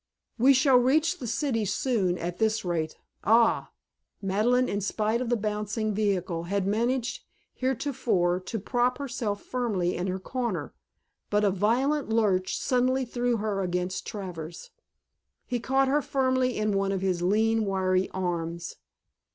"We shall reach the city soon at this rate. Ah!" Madeleine, in spite of the bouncing vehicle, had managed heretofore to prop herself firmly in her corner, but a violent lurch suddenly threw her against Travers. He caught her firmly in one of his lean wiry arms.